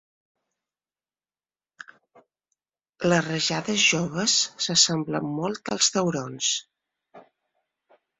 Les rajades joves s'assemblen molt als taurons.